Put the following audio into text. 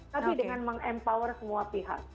tapi dengan meng empower semua pihak